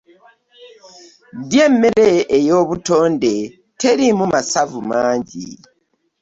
Lya emmere eyobutonde terimu masavu mangi.